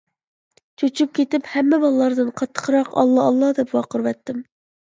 چۆچۈپ كېتىپ، ھەممە بالىلاردىن قاتتىقراق «ئاللا، ئاللا» دەپ ۋارقىرىۋەتتىم.